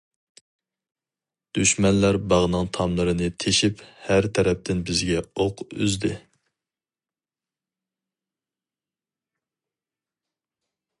دۈشمەنلەر باغنىڭ تاملىرىنى تېشىپ، ھەر تەرەپتىن بىزگە ئوق ئۈزدى.